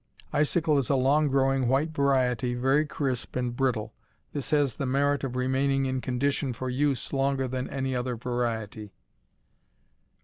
Icicle is a long growing white variety, very crisp and brittle. This has the merit of remaining in condition for use longer than any other variety.